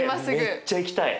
めっちゃ行きたい！